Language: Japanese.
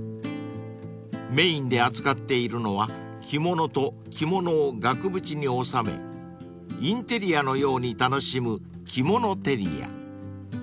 ［メインで扱っているのは着物と着物を額縁に収めインテリアのように楽しむきものテリア］